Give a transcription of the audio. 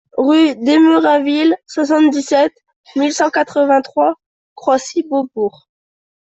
Rue d'Emerainville, soixante-dix-sept mille cent quatre-vingt-trois Croissy-Beaubourg